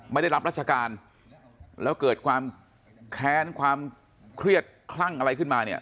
ไม่ได้รับราชการแล้วเกิดความแค้นความเครียดคลั่งอะไรขึ้นมาเนี่ย